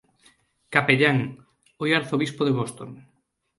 Cap., hoy Arzobispo de Boston.